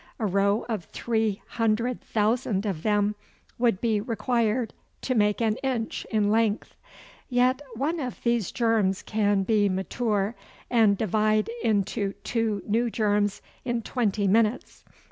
A row of three hundred thousand of them would be required to make an inch in length! Yet one of these germs can be mature and divide into two new germs in twenty minutes.